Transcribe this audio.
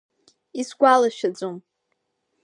Исгәалашәаӡом.